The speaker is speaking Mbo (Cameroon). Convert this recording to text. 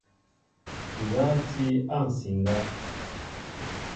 Nza a ti a nsiŋga?